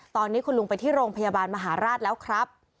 ตอนนี้คุณลุงไปที่โรงพยาบาลมหาราชแล้วครับ